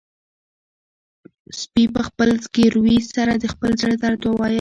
سپي په خپل زګیروي سره د خپل زړه درد ووايه.